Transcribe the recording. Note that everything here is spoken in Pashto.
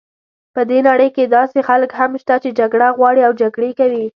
په دې نړۍ کې داسې خلک هم شته چې جګړه غواړي او جګړې کوي.